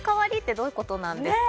どういうことなんですか？